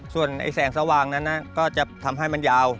ส่วนแสงสว่างนั้นก็จะทำให้มันยาว